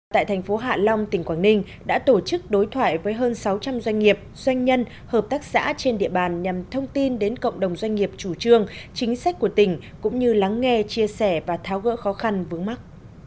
tại thành phố hạ long tỉnh quảng ninh đã tổ chức đối thoại với hơn sáu trăm linh doanh nghiệp doanh nhân hợp tác xã trên địa bàn nhằm thông tin đến cộng đồng doanh nghiệp chủ trương chính sách của tỉnh cũng như lắng nghe chia sẻ và tháo gỡ khó khăn vướng mắt